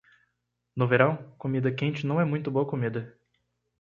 No verão, comida quente não é muito boa comida.